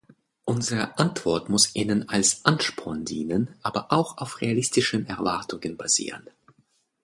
Unsere Antwort muss ihnen als Ansporn dienen, aber auch auf realistischen Erwartungen basieren.